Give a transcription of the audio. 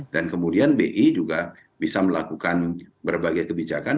dan kemudian bi juga bisa melakukan berbagai kebijakan